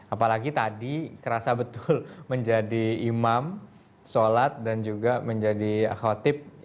apalagi tadi kerasa betul menjadi imam sholat dan juga menjadi khotib